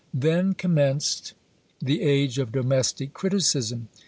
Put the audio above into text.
Then commenced the age of domestic criticism.